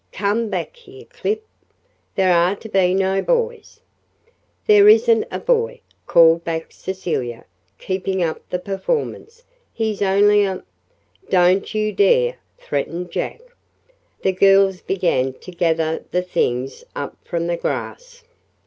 "Come back here, Clip! There are to be no boys!" "This isn't a boy," called back Cecilia, keeping up the performance. "He's only a " "Don't you dare!" threatened Jack. The girls began to gather the things up from the grass.